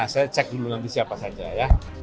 saya cek dulu nanti siapa saja ya